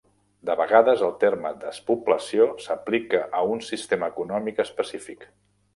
De vegades, el terme despoblació s'aplica a un sistema econòmic específic.